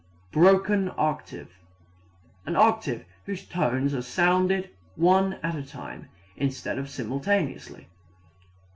Broken octave an octave whose tones are sounded one at a time instead of simultaneously.